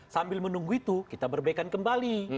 sambil menunggu itu kita berbaikan kembali